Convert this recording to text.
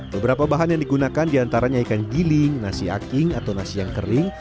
beberapa bahan yang digunakan diantaranya ikan giling nasi aking atau nasi yang kering